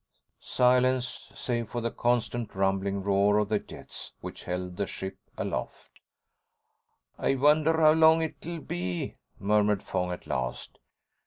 Silence, save for the constant, rumbling roar of the jets which held the ship aloft. "I wonder how long it'll be," murmured Fong at last.